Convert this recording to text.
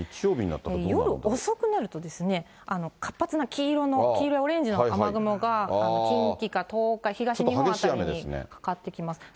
夜遅くなるとですね、活発な黄色の、黄色やオレンジの雨雲が、近畿から東海、東日本辺りにかかってきます。